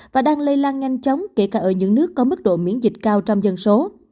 và đang lây lan nhanh chóng kể cả ở những nước có mức độ miễn dịch cao trong dân số